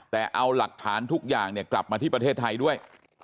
แต่เอาหลักฐานทุกอย่างกลับมาที่ประเทศไทยด้วย